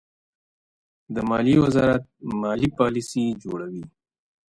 د مالیې وزارت مالي پالیسۍ جوړوي.